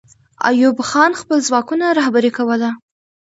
ایوب خان خپل ځواکونه رهبري کوله.